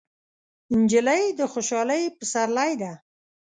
نجلۍ د خوشحالۍ پسرلی ده.